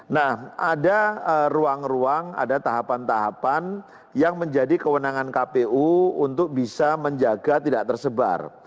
nah ada ruang ruang ada tahapan tahapan yang menjadi kewenangan kpu untuk bisa menjaga tidak tersebar